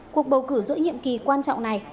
cuộc bầu cử giữa nhiệm kỳ quan trọng này